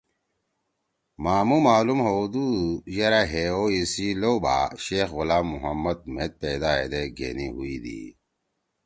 مھامُو معلوم ہؤدُو یرأ ہے او ایِسی لؤ بھا شیخ غلام محمد مھید پیدا ہیدے گھینی ہوئی دی